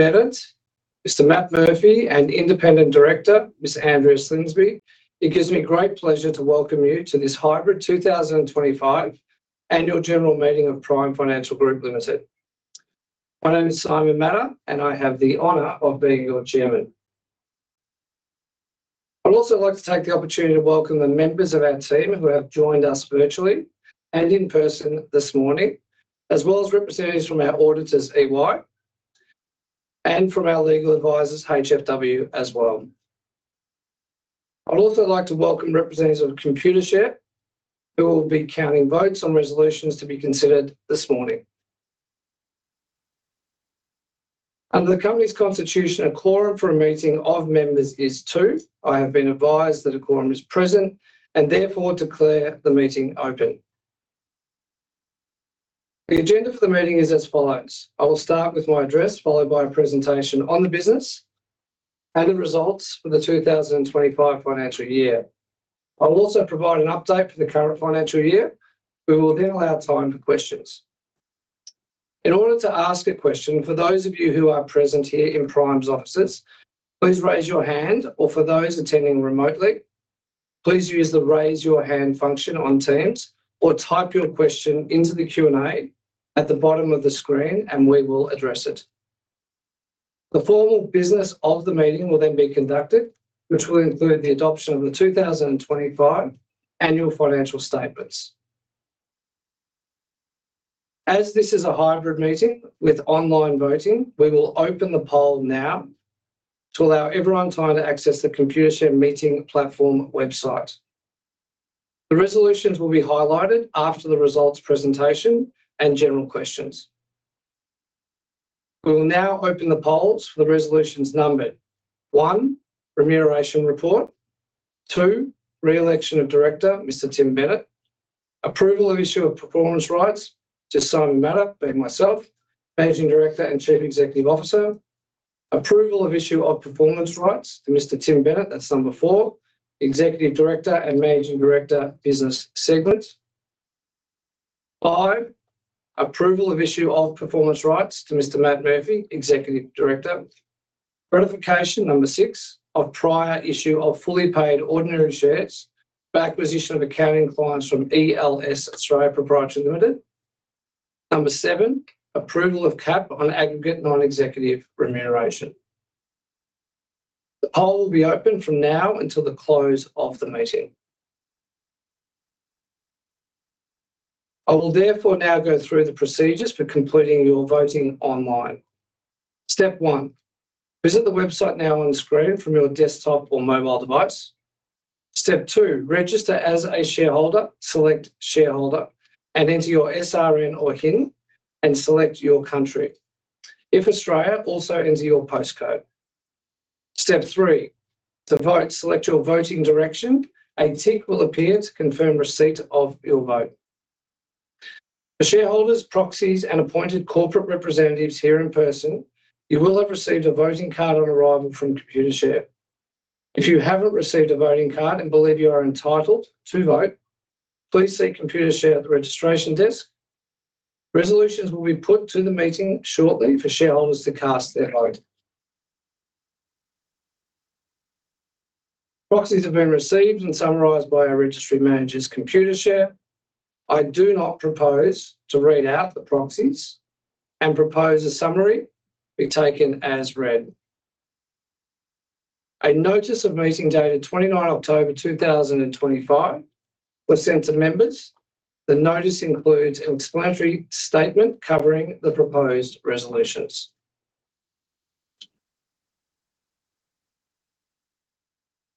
Independent. Mr. Matt Murphy and Independent Director, Ms. Andrea Slingsby. It gives me great pleasure to welcome you to this hybrid 2025 Annual General Meeting of Prime Financial Group Limited. My name is Simon Madder, and I have the honour of being your Chairman. I'd also like to take the opportunity to welcome the members of our team who have joined us virtually and in person this morning, as well as representatives from our auditors EY and from our legal advisors, HFW, as well. I'd also like to welcome representatives of Computershare, who will be counting votes on resolutions to be considered this morning. Under the Company's Constitution, a quorum for a meeting of members is two. I have been advised that a quorum is present and therefore declare the meeting open. The agenda for the meeting is as follows. I will start with my address, followed by a presentation on the business and the results for the 2025 financial year. I will also provide an update for the current financial year. We will then allow time for questions. In order to ask a question, for those of you who are present here in Prime's offices, please raise your hand, or for those attending remotely, please use the raise your hand function on Teams or type your question into the Q&A at the bottom of the screen, and we will address it. The formal business of the meeting will then be conducted, which will include the adoption of the 2025 annual financial statements. As this is a hybrid meeting with online voting, we will open the poll now to allow everyone time to access the Computershare meeting platform website. The resolutions will be highlighted after the results presentation and general questions. We will now open the polls for the resolutions numbered: one, remuneration report; two, re-election of Director, Mr. Tim Bennett; approval of issue of performance rights to Simon Madder, being myself, Managing Director and Chief Executive Officer; approval of issue of performance rights to Mr. Tim Bennett, that's number four, Executive Director and Managing Director, business segment; five, approval of issue of performance rights to Mr. Matt Murphy, Executive Director; ratification number six of prior issue of fully paid ordinary shares for acquisition of accounting clients from ELS Australia Proprietary Limited; number seven, approval of cap on aggregate non-executive remuneration. The poll will be open from now until the close of the meeting. I will therefore now go through the procedures for completing your voting online. Step one, visit the website now on screen from your desktop or mobile device. Step two, register as a shareholder, select shareholder, and enter your SRN or HIN, and select your country. If Australia, also enter your postcode. Step three, to vote, select your voting direction. A tick will appear to confirm receipt of your vote. For shareholders, proxies, and appointed corporate representatives here in person, you will have received a voting card on arrival from Computershare. If you haven't received a voting card and believe you are entitled to vote, please see Computershare at the registration desk. Resolutions will be put to the meeting shortly for shareholders to cast their vote. Proxies have been received and summarised by our Registry Managers, Computershare. I do now propose to read out the proxies and propose a summary be taken as read. A notice of meeting dated 29 October 2025 was sent to members. The notice includes an explanatory statement covering the proposed resolutions.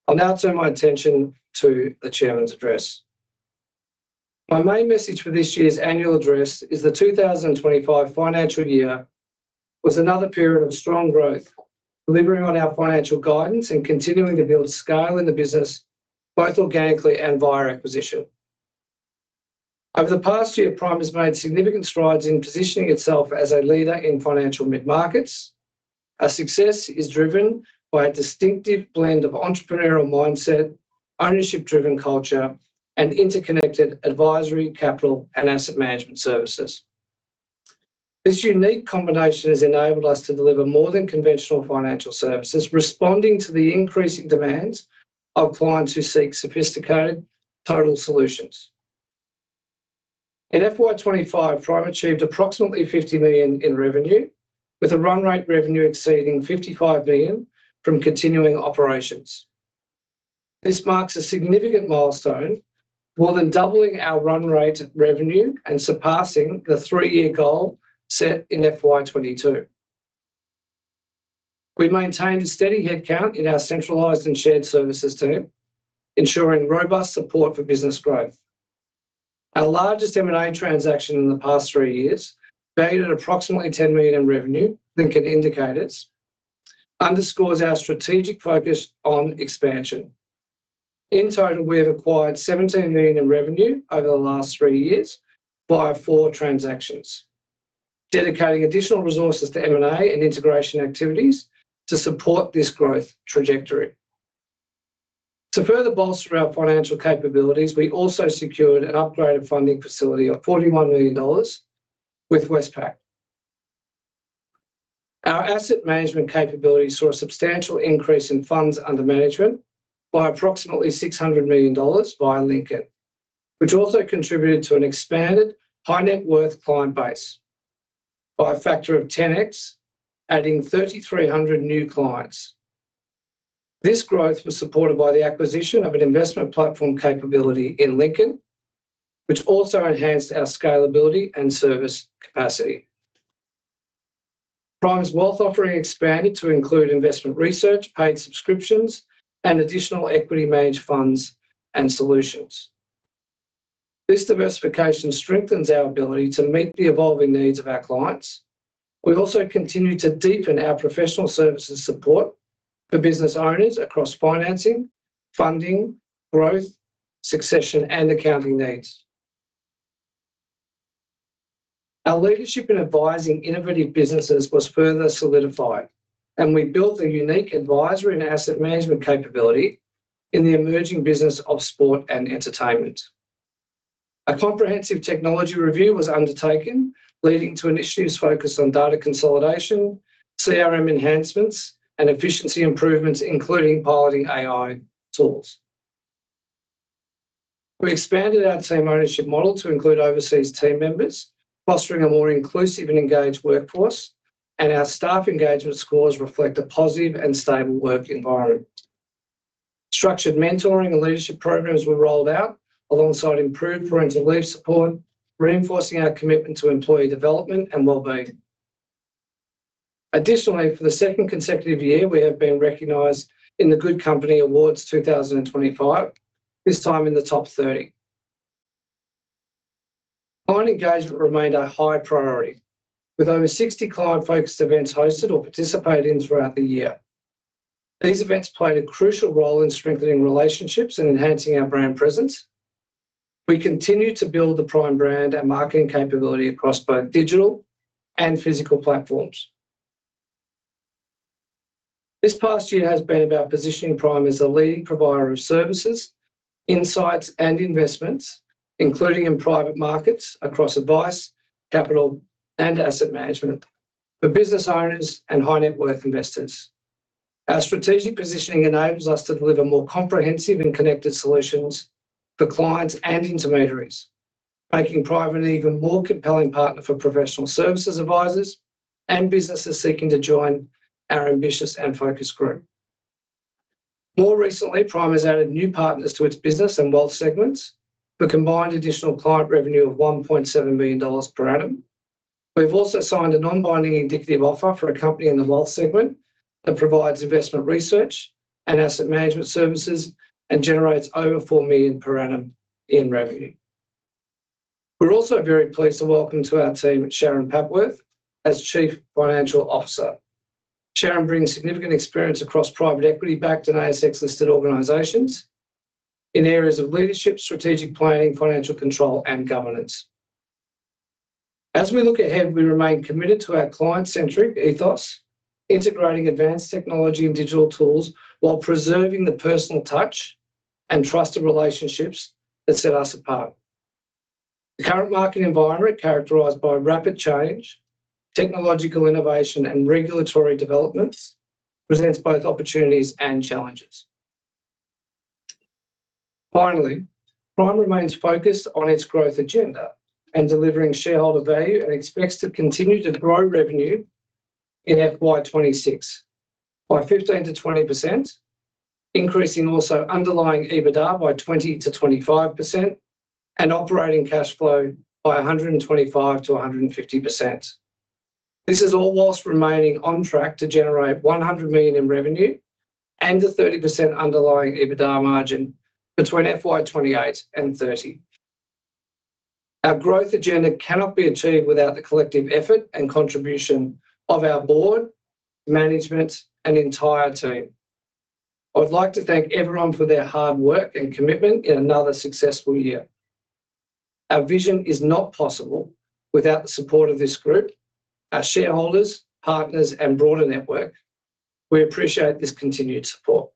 I'll now turn my attention to the Chairman's address. My main message for this year's annual address is the 2025 financial year was another period of strong growth, delivering on our financial guidance and continuing to build scale in the business, both organically and via acquisition. Over the past year, Prime has made significant strides in positioning itself as a leader in financial mid-markets. Our success is driven by a distinctive blend of entrepreneurial mindset, ownership-driven culture, and interconnected advisory capital and asset management services. This unique combination has enabled us to deliver more than conventional financial services, responding to the increasing demands of clients who seek sophisticated total solutions. In FY 2025, Prime achieved approximately 50 million in revenue, with a run rate revenue exceeding 55 million from continuing operations. This marks a significant milestone, more than doubling our run rate revenue and surpassing the three-year goal set in FY 2022. We maintained a steady headcount in our centralised and shared services team, ensuring robust support for business growth. Our largest M&A transaction in the past three years, valued at approximately 10 million in revenue, Lincoln Indicators, underscores our strategic focus on expansion. In total, we have acquired 17 million in revenue over the last three years via four transactions, dedicating additional resources to M&A and integration activities to support this growth trajectory. To further bolster our financial capabilities, we also secured an upgraded funding facility of AUD 41 million with Westpac. Our asset management capabilities saw a substantial increase in funds under management by approximately 600 million dollars via Lincoln, which also contributed to an expanded high-net-worth client base by a factor of 10x, adding 3,300 new clients. This growth was supported by the acquisition of an investment platform capability in Lincoln, which also enhanced our scalability and service capacity. Prime's wealth offering expanded to include investment research, paid subscriptions, and additional equity-managed funds and solutions. This diversification strengthens our ability to meet the evolving needs of our clients. We also continue to deepen our professional services support for business owners across financing, funding, growth, succession, and accounting needs. Our leadership in advising innovative businesses was further solidified, and we built a unique advisory and asset management capability in the emerging business of sport and entertainment. A comprehensive technology review was undertaken, leading to initiatives focused on data consolidation, CRM enhancements, and efficiency improvements, including piloting AI tools. We expanded our team ownership model to include overseas team members, fostering a more inclusive and engaged workforce, and our staff engagement scores reflect a positive and stable work environment. Structured mentoring and leadership programs were rolled out alongside improved parental leave support, reinforcing our commitment to employee development and well-being. Additionally, for the second consecutive year, we have been recognized in the GoodCompany Awards 2025, this time in the top 30. Client engagement remained a high priority, with over 60 client-focused events hosted or participated in throughout the year. These events played a crucial role in strengthening relationships and enhancing our brand presence. We continue to build the Prime brand and marketing capability across both digital and physical platforms. This past year has been about positioning Prime as a leading provider of services, insights, and investments, including in private markets across advice, capital, and asset management for business owners and high-net-worth investors. Our strategic positioning enables us to deliver more comprehensive and connected solutions for clients and intermediaries, making Prime an even more compelling partner for professional services advisors and businesses seeking to join our ambitious and focused group. More recently, Prime has added new partners to its business and wealth segments for combined additional client revenue of 1.7 million dollars per annum. We've also signed a non-binding indicative offer for a company in the wealth segment that provides investment research and asset management services and generates over 4 million per annum in revenue. We're also very pleased to welcome to our team Sharon Papworth as Chief Financial Officer. Sharon brings significant experience across private equity, backed and ASX-listed organizations in areas of leadership, strategic planning, financial control, and governance. As we look ahead, we remain committed to our client-centric ethos, integrating advanced technology and digital tools while preserving the personal touch and trusted relationships that set us apart. The current market environment, characterized by rapid change, technological innovation, and regulatory developments, presents both opportunities and challenges. Finally, Prime remains focused on its growth agenda and delivering shareholder value and expects to continue to grow revenue in FY 2026 by 15%-20%, increasing also underlying EBITDA by 20%-25% and operating cash flow by 125%-150%. This is all whilst remaining on track to generate 100 million in revenue and a 30% underlying EBITDA margin between FY 2028 and FY2030. Our growth agenda cannot be achieved without the collective effort and contribution of our board, management, and entire team. I would like to thank everyone for their hard work and commitment in another successful year. Our vision is not possible without the support of this group, our shareholders, partners, and broader network. We appreciate this continued support.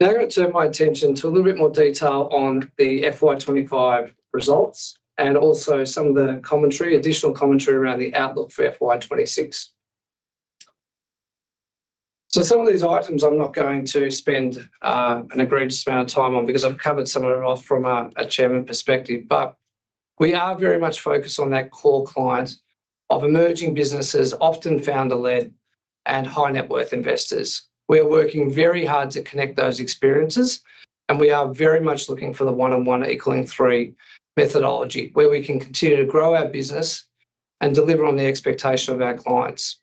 Now I am going to turn my attention to a little bit more detail on the FY 2025 results and also some of the additional commentary around the outlook for FY 2026. Some of these items I am not going to spend an egregious amount of time on because I have covered some of it off from a Chairman perspective, but we are very much focused on that core client of emerging businesses, often founder-led and high-net-worth investors. We are working very hard to connect those experiences, and we are very much looking for the one-on-one equaling three methodology where we can continue to grow our business and deliver on the expectation of our clients.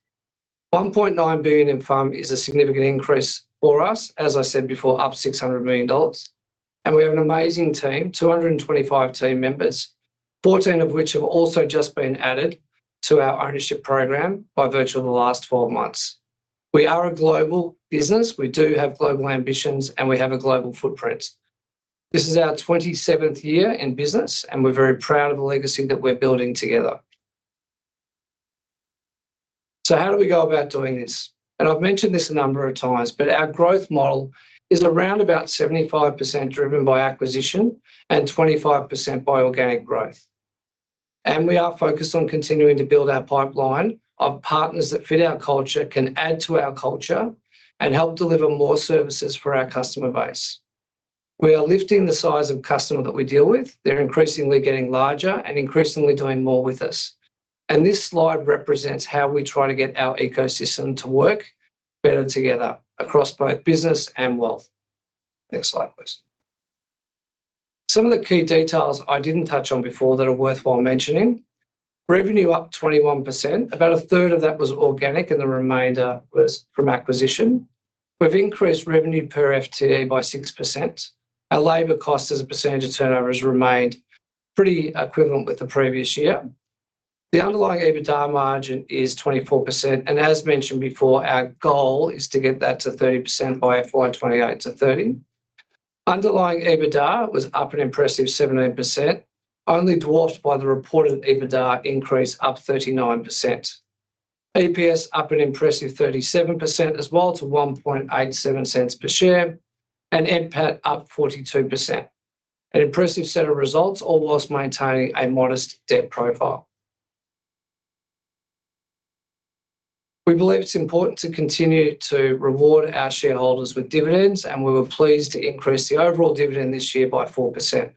1.9 billion in funds is a significant increase for us, as I said before, up 600 million dollars, and we have an amazing team, 225 team members, 14 of which have also just been added to our ownership program by virtue of the last four months. We are a global business. We do have global ambitions, and we have a global footprint. This is our 27th year in business, and we're very proud of the legacy that we're building together. How do we go about doing this? I've mentioned this a number of times, but our growth model is around about 75% driven by acquisition and 25% by organic growth. We are focused on continuing to build our pipeline of partners that fit our culture, can add to our culture, and help deliver more services for our customer base. We are lifting the size of customers that we deal with. They are increasingly getting larger and increasingly doing more with us. This slide represents how we try to get our ecosystem to work better together across both business and wealth. Next slide, please. Some of the key details I did not touch on before that are worthwhile mentioning. Revenue up 21%. About a third of that was organic, and the remainder was from acquisition. We have increased revenue per FTE by 6%. Our labor cost as a percentage of turnover has remained pretty equivalent with the previous year. The underlying EBITDA margin is 24%. As mentioned before, our goal is to get that to 30% by FY 2028 to 2030. Underlying EBITDA was up an impressive 17%, only dwarfed by the reported EBITDA increase up 39%. EPS up an impressive 37% as well to 1.87 per share and NPAT up 42%. An impressive set of results, all whilst maintaining a modest debt profile. We believe it's important to continue to reward our shareholders with dividends, and we were pleased to increase the overall dividend this year by 4%.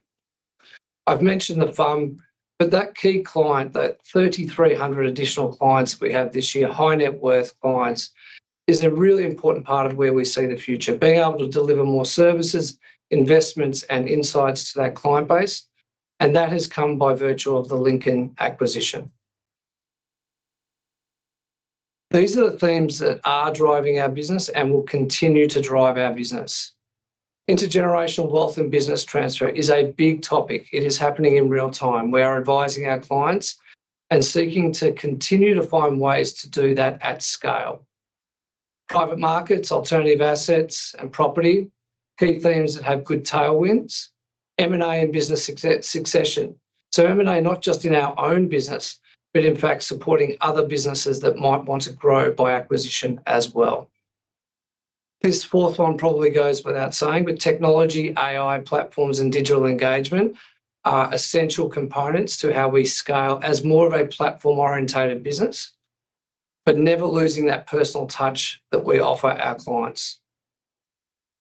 I've mentioned the fund, but that key client, that 3,300 additional clients that we have this year, high-net-worth clients, is a really important part of where we see the future, being able to deliver more services, investments, and insights to that client base. That has come by virtue of the Lincoln acquisition. These are the themes that are driving our business and will continue to drive our business. Intergenerational wealth and business transfer is a big topic. It is happening in real time. We are advising our clients and seeking to continue to find ways to do that at scale. Private markets, alternative assets, and property key themes that have good tailwinds. M&A and business succession. M&A, not just in our own business, but in fact supporting other businesses that might want to grow by acquisition as well. This fourth one probably goes without saying, but technology, AI, platforms, and digital engagement are essential components to how we scale as more of a platform-orientated business, but never losing that personal touch that we offer our clients.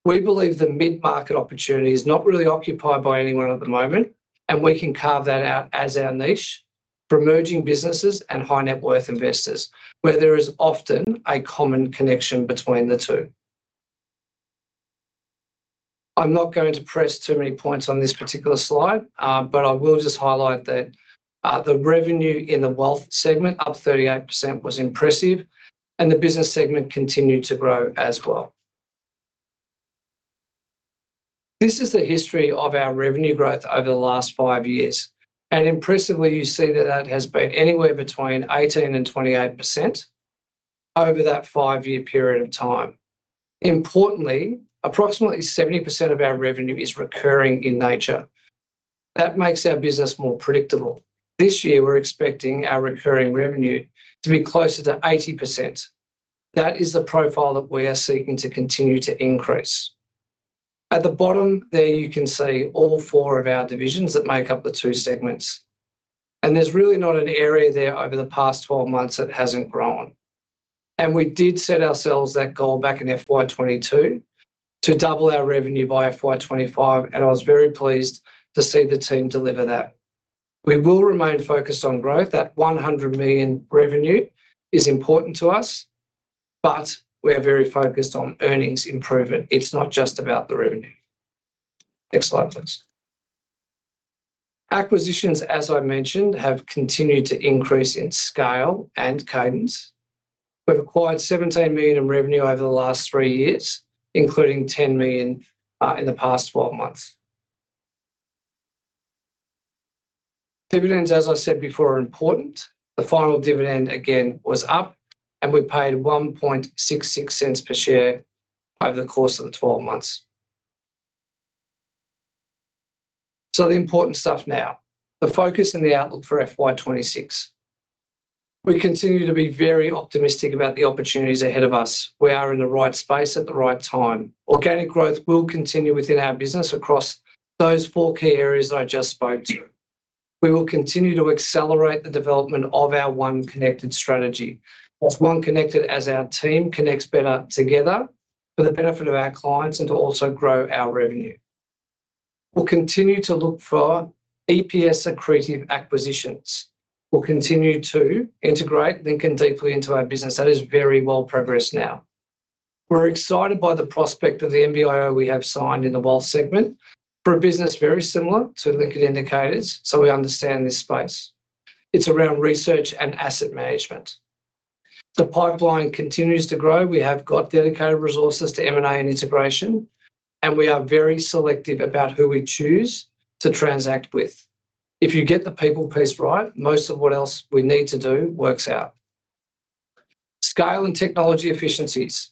We believe the mid-market opportunity is not really occupied by anyone at the moment, and we can carve that out as our niche for emerging businesses and high-net-worth investors, where there is often a common connection between the two. I'm not going to press too many points on this particular slide, but I will just highlight that the revenue in the Wealth Segment, up 38%, was impressive, and the business segment continued to grow as well. This is the history of our revenue growth over the last five years. Impressively, you see that that has been anywhere between 18%-28% over that five-year period of time. Importantly, approximately 70% of our revenue is recurring in nature. That makes our business more predictable. This year, we're expecting our recurring revenue to be closer to 80%. That is the profile that we are seeking to continue to increase. At the bottom there, you can see all four of our divisions that make up the two segments. There's really not an area there over the past 12 months that hasn't grown. We did set ourselves that goal back in FY 2022 to double our revenue by FY 2025, and I was very pleased to see the team deliver that. We will remain focused on growth. That 100 million revenue is important to us, but we are very focused on earnings improvement. It is not just about the revenue. Next slide, please. Acquisitions, as I mentioned, have continued to increase in scale and cadence. We have acquired 17 million in revenue over the last three years, including 10 million in the past 12 months. Dividends, as I said before, are important. The final dividend, again, was up, and we paid 1.66 per share over the course of the 12 months. The important stuff now, the focus and the outlook for FY 2026. We continue to be very optimistic about the opportunities ahead of us. We are in the right space at the right time. Organic growth will continue within our business across those four key areas that I just spoke to. We will continue to accelerate the development of our OneConnected strategy. That's OneConnected as our team connects better together for the benefit of our clients and to also grow our revenue. We'll continue to look for EPS-accretive acquisitions. We'll continue to integrate Lincoln deeply into our business. That is very well progressed now. We're excited by the prospect of the NBIO we have signed in the Wealth Segment for a business very similar to Lincoln Indicators, so we understand this space. It's around research and asset management. The pipeline continues to grow. We have got dedicated resources to M&A and integration, and we are very selective about who we choose to transact with. If you get the people piece right, most of what else we need to do works out. Scale and technology efficiencies.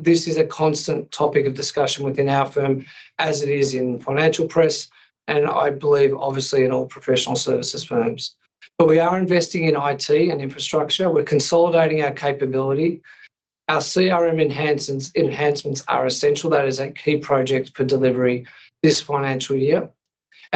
This is a constant topic of discussion within our firm, as it is in financial press, and I believe, obviously, in all professional services firms. We are investing in IT and infrastructure. We are consolidating our capability. Our CRM enhancements are essential. That is a key project for delivery this financial year.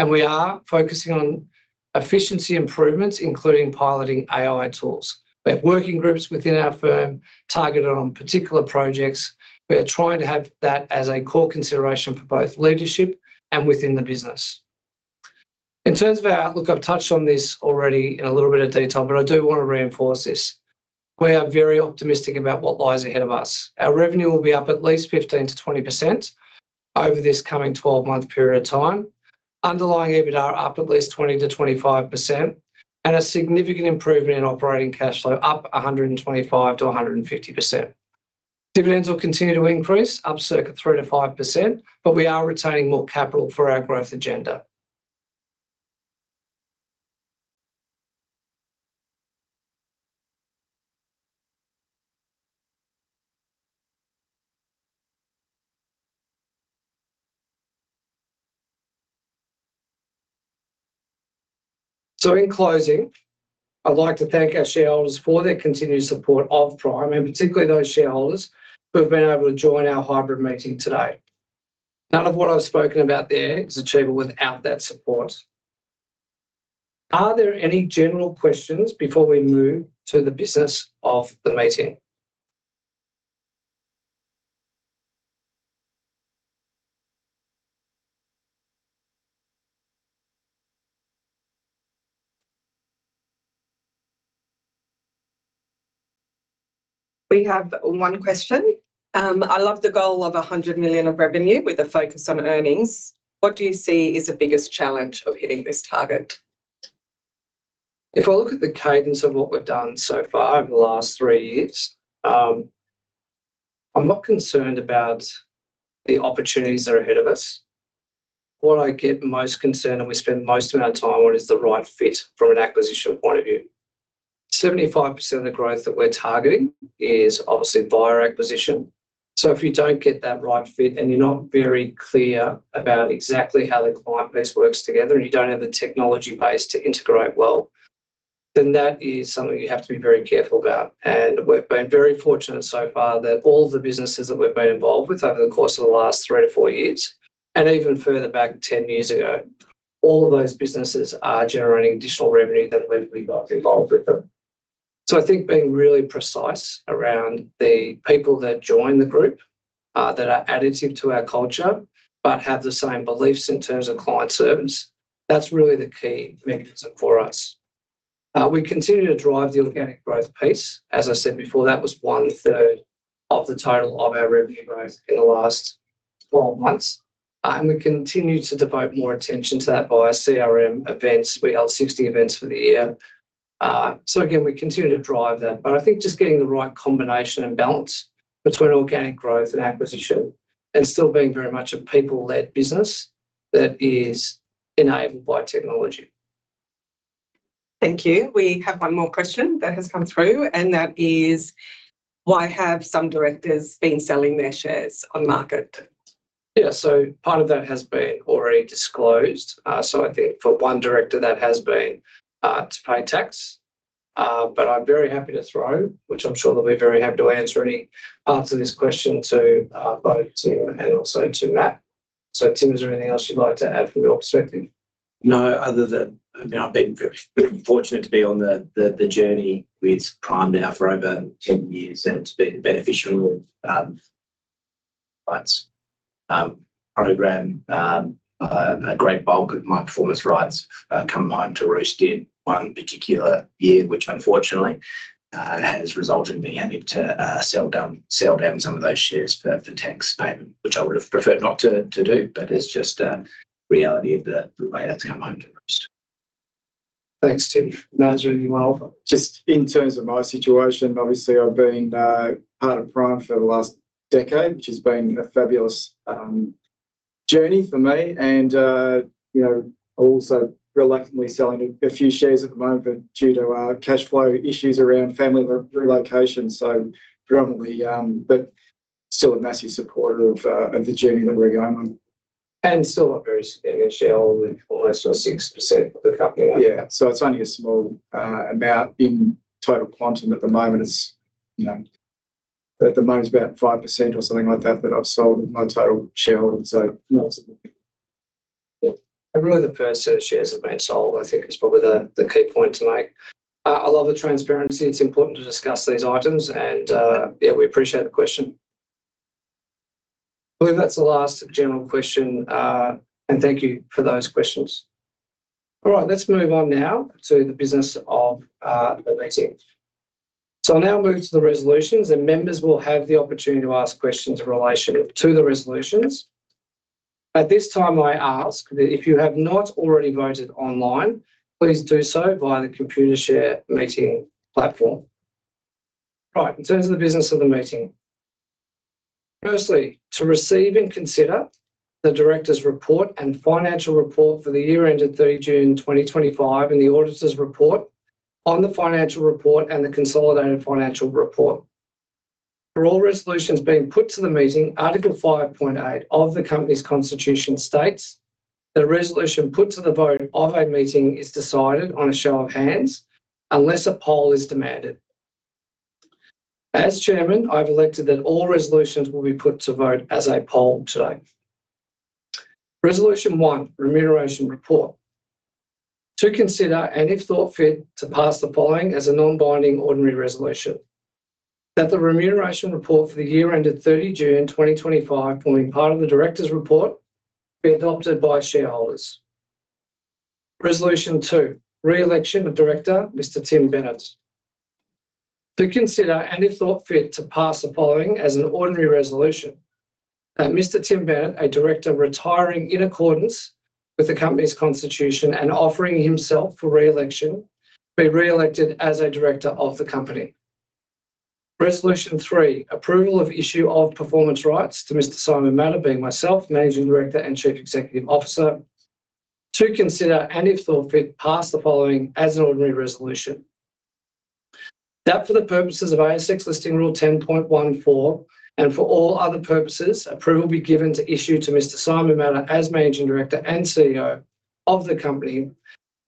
We are focusing on efficiency improvements, including piloting AI tools. We have working groups within our firm targeted on particular projects. We are trying to have that as a core consideration for both leadership and within the business. In terms of our outlook, I have touched on this already in a little bit of detail, but I do want to reinforce this. We are very optimistic about what lies ahead of us. Our revenue will be up at least 15%-20% over this coming 12-month period of time. Underlying EBITDA are up at least 20%-25%, and a significant improvement in operating cash flow, up 125%-150%. Dividends will continue to increase, up circa 3%-5%, but we are retaining more capital for our growth agenda. In closing, I'd like to thank our shareholders for their continued support of Prime, and particularly those shareholders who have been able to join our hybrid meeting today. None of what I've spoken about there is achievable without that support. Are there any general questions before we move to the business of the meeting? We have one question. I love the goal of 100 million of revenue with a focus on earnings. What do you see is the biggest challenge of hitting this target? If I look at the cadence of what we've done so far over the last three years, I'm not concerned about the opportunities that are ahead of us. What I get most concerned, and we spend most of our time on, is the right fit from an acquisition point of view. 75% of the growth that we're targeting is obviously by acquisition. If you don't get that right fit and you're not very clear about exactly how the client base works together and you don't have the technology base to integrate well, then that is something you have to be very careful about. We have been very fortunate so far that all of the businesses that we have been involved with over the course of the last three to four years, and even further back 10 years ago, all of those businesses are generating additional revenue that we have been involved with them. I think being really precise around the people that join the group, that are additive to our culture, but have the same beliefs in terms of client service, that is really the key mechanism for us. We continue to drive the organic growth piece. As I said before, that was 1/3 of the total of our revenue growth in the last 12 months. We continue to devote more attention to that by CRM events. We held 60 events for the year. We continue to drive that. I think just getting the right combination and balance between organic growth and acquisition and still being very much a people-led business that is enabled by technology. Thank you. We have one more question that has come through, and that is, why have some directors been selling their shares on market? Yeah, part of that has been already disclosed. I think for one director, that has been to pay tax. I'm very happy to throw, which I'm sure they'll be very happy to answer any parts of this question, to both Tim and also to Matt. Tim, is there anything else you'd like to add from your perspective? No, other than, I mean, I've been fortunate to be on the journey with Prime now for over 10 years, and it's been beneficial with rights program. A great bulk of my performance rights in one particular year, which unfortunately has resulted in me having to sell down some of those shares for tax payment, which I would have preferred not to do, but it's just the reality of the. Thanks, Tim. No, it's really well. Just in terms of my situation, obviously, I've been part of Prime for the last decade, which has been a fabulous journey for me. I'm also reluctantly selling a few shares at the moment due to cash flow issues around family relocation. Predominantly, but still a massive supporter of the journey that we're going on. I'm still a very significant shareholder with almost 6% of the company. Yeah, it's only a small amount in total quantum at the moment. At the moment, it's about 5% or something like that that I've sold of my total shareholding. Yeah, I'm really the first set of shares that have been sold, I think, is probably the key point to make. I love the transparency. It's important to discuss these items. Yeah, we appreciate the question. I believe that's the last general question. Thank you for those questions. All right, let's move on now to the business of the meeting. I'll now move to the resolutions, and members will have the opportunity to ask questions in relation to the resolutions. At this time, I ask that if you have not already voted online, please do so via the Computershare meeting platform. All right, in terms of the business of the meeting, firstly, to receive and consider the director's report and financial report for the year ended 30 June 2025 and the auditor's report on the financial report and the consolidated financial report. For all resolutions being put to the meeting, Article 5.8 of the company's constitution states that a resolution put to the vote of a meeting is decided on a show of hands unless a poll is demanded. As Chairman, I've elected that all resolutions will be put to vote as a poll today. Resolution 1, Remuneration Report. To consider and, if thought fit, to pass the following as a non-binding ordinary resolution: that the Remuneration Report for the year ended 30 June 2025, forming part of the Director's Report, be adopted by shareholders. Resolution 2, Re-election of Director, Mr. Tim Bennett. To consider and, if thought fit, to pass the following as an ordinary resolution: that Mr. Tim Bennett, a Director retiring in accordance with the company's constitution and offering himself for re-election, be re-elected as a Director of the Company. Resolution 3, Approval of Issue of Performance Rights to Mr. Simon Madder, being myself, Managing Director and Chief Executive Officer. To consider and, if thought fit, pass the following as an ordinary resolution: that for the purposes of ASX Listing Rule 10.14 and for all other purposes, approval be given to issue to Mr. Simon Madder, as Managing Director and CEO of the company,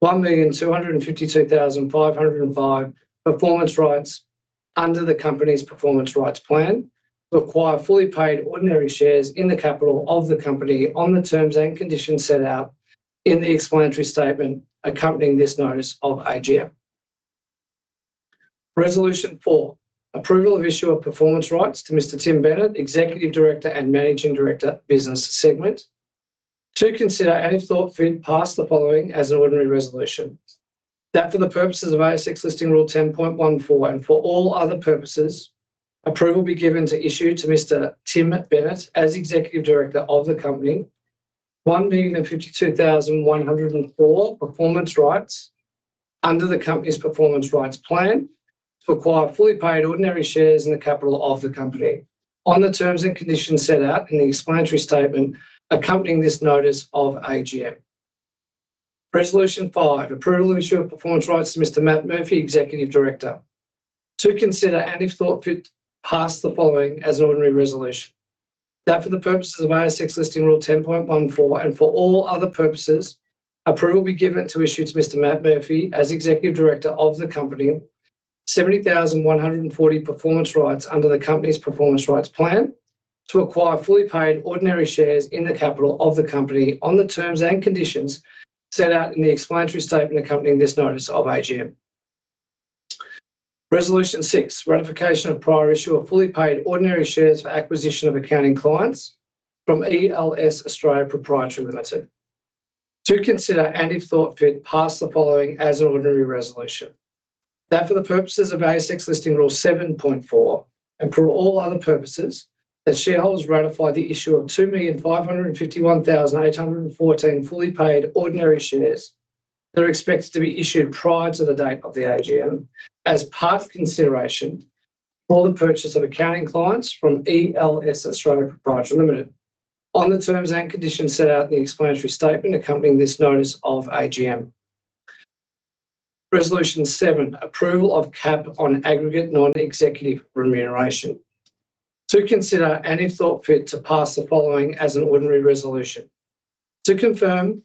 1,252,505 Performance Rights under the Company's Performance Rights Plan, require fully paid ordinary shares in the capital of the Company on the terms and conditions set out in the Explanatory Statement accompanying this Notice of AGM. Resolution 4, Approval of Issue of Performance Rights to Mr. Tim Bennett, Executive Director and Managing Director Business Segment. To consider and, if thought fit, pass the following as an ordinary resolution: that for the purposes of ASX Listing Rule 10.14 and for all other purposes, approval be given to issue to Mr. Tim Bennett as Executive Director of the company, 1,252,104 Performance Rights under the Company's Performance Rights plan, require fully paid ordinary shares in the capital of the Company on the terms and conditions set out in the Explanatory Statement accompanying this Notice of AGM. Resolution 5, Approval of Issue of Performance Rights to Mr. Matt Murphy, Executive Director. To consider and, if thought fit, pass the following as an ordinary resolution: that for the purposes of ASX Listing Rule 10.14 and for all other purposes, approval be given to issue to Mr. Matt Murphy as Executive Director of the company, 70,140 Performance Rights under the Company's Performance Rights Plan, to acquire fully paid ordinary shares in the capital of the Company on the terms and conditions set out in the Explanatory Statement accompanying this Notice of AGM. Resolution 6, Ratification of Prior Issue of Fully Paid Ordinary Shares for acquisition of accounting clients from ELS Australia Pty Ltd. To consider and, if thought fit, pass the following as an ordinary resolution: that for the purposes of ASX Listing Rule 7.4 and for all other purposes, that shareholders ratify the issue of 2,551,814 fully paid ordinary shares that are expected to be issued prior to the date of the AGM as part of consideration for the purchase of accounting clients from ELS Australia Pty Ltd on the terms and conditions set out in the Explanatory Statement accompanying this Notice of AGM. Resolution 7, Approval of Cap on Aggregate Non-executive Remuneration. To consider and, if thought fit, to pass the following as an ordinary resolution. To confirm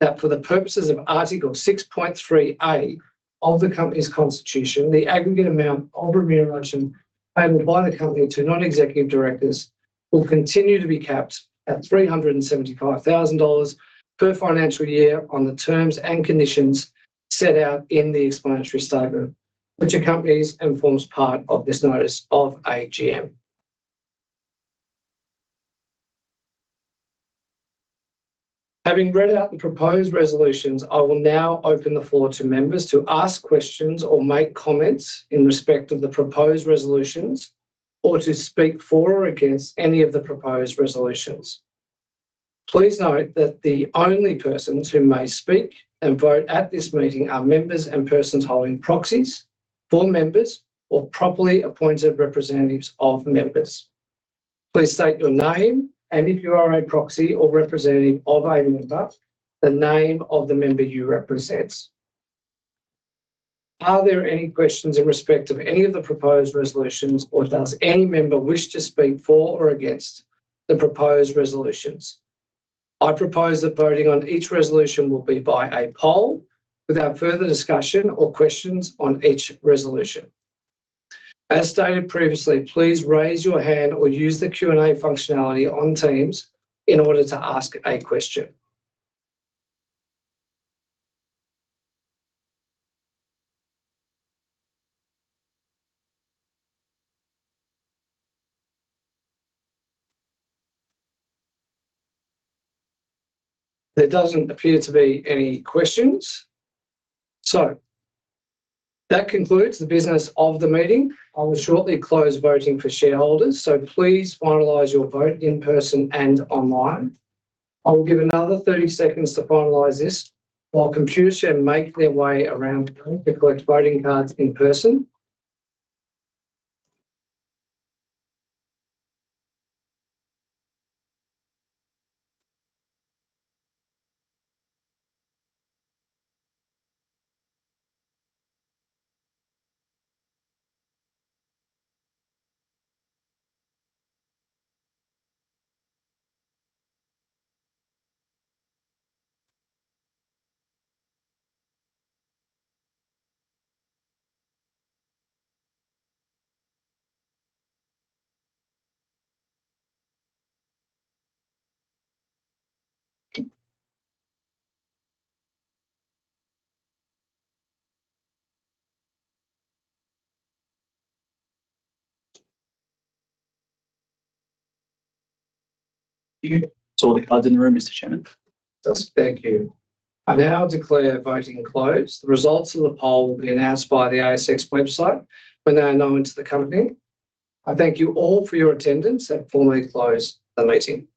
that for the purposes of article 6.3(a) of the Company's Constitution, the aggregate amount of remuneration paid by the Company to non-executive directors will continue to be capped at 375,000 dollars per financial year on the terms and conditions set out in the Explanatory Statement, which accompanies and forms part of this Notice of AGM. Having read out the proposed resolutions, I will now open the floor to members to ask questions or make comments in respect of the proposed resolutions or to speak for or against any of the proposed resolutions. Please note that the only persons who may speak and vote at this meeting are members and persons holding proxies, full members, or properly appointed representatives of members. Please state your name and, if you are a proxy or representative of a member, the name of the member you represent. Are there any questions in respect of any of the proposed resolutions, or does any member wish to speak for or against the proposed resolutions? I propose that voting on each resolution will be by a poll without further discussion or questions on each resolution. As stated previously, please raise your hand or use the Q&A functionality on Teams in order to ask a question. There does not appear to be any questions. That concludes the business of the meeting. I will shortly close voting for shareholders, so please finalize your vote in person and online. I will give another 30 seconds to finalize this while Computershare make their way around to collect voting cards in person. All the cards in the room, Mr. Chairman. Thank you. I now declare voting closed. The results of the poll will be announced by the ASX website when they are known to the company. I thank you all for your attendance and formally close the meeting.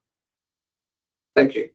Thank you.